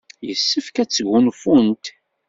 Yessefk ad sgunfunt.